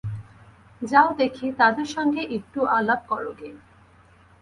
যাও দেখি, তাদের সঙ্গে একটু আলাপ করোগে।